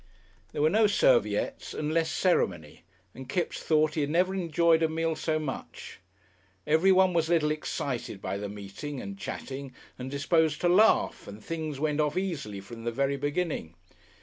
There were no serviettes and less ceremony, and Kipps thought he had never enjoyed a meal so much. Everyone was a little excited by the meeting and chatting, and disposed to laugh, and things went off easily from the very beginning.